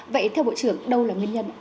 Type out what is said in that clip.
vậy theo bộ trưởng đâu là nguyên nhân